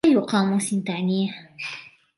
أي قاموس تعنيه؟